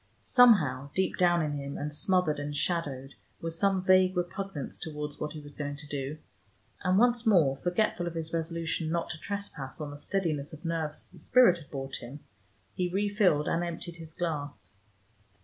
Somehow deep down in him, and smothered and shadowed, was some vague repugnance towards what he was going to do, and once more, forgetful of his resolution not to trespass on the steadiness of nerves the spirit brought him, he refilled and emptied his glass.